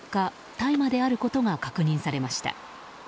大麻であることが確認されました。